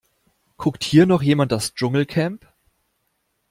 Guckt hier noch jemand das Dschungelcamp?